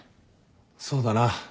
そうだな。